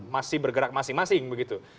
masih bergerak masing masing begitu